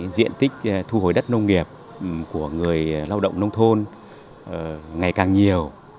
diện tích thu hồi đất nông nghiệp của người lao động nông thôn ngày càng nhiều